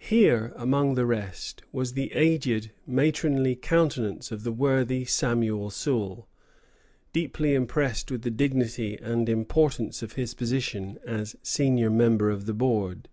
Here, among the rest, was the aged, matronly countenance of the worthy Samuel Sewall, deeply impressed with the dignity and importance of his position as senior member of the Board.